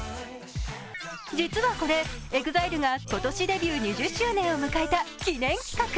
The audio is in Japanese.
実はこれ、ＥＸＩＬＥが今年デビュー２０周年を迎えた記念企画。